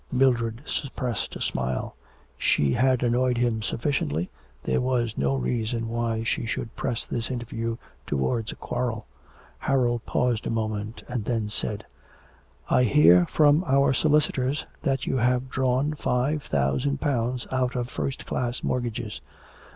Mildred suppressed a smile. She had annoyed him sufficiently, there was no reason why she should press this interview towards a quarrel. Harold paused a moment and then said: 'I hear from our solicitors that you have drawn five thousand pounds out of first class mortgages.